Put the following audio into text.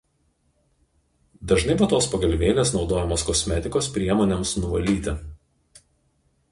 Dažnai vatos pagalvėlės naudojamos kosmetikos priemonėms nuvalyti.